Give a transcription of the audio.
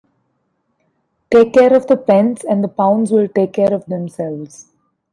Take care of the pence and the pounds will take care of themselves.